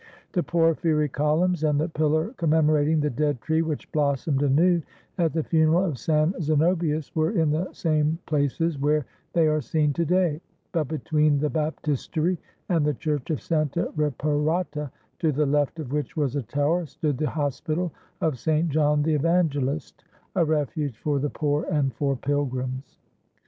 The porphyry columns and the pillar commemorating the dead tree which blossomed anew at the funeral of San Zanobius were in the same places where they are seen to day, but between the baptistery and the church of Santa Reparata, to the left of which was a tower, stood the Hospital of St. John the EvangeUst, a refuge for the poor and for pilgrims.